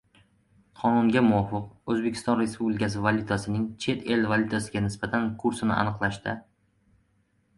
Qonunga muvofiq, O‘zbekiston Respublikasi valyutasining chet el valyutasiga nisbatan kursini aniqlashda f